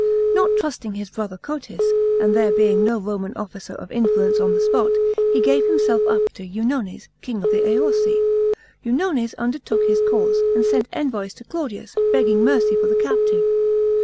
Not trusting his brother Cotys, and there being no Roman officer of influence on the spot, he gave himself up to Eunones, king of the Aorsi. Eunones undertook his cause, and sent envoys to Claudius, begging mercy for the captive.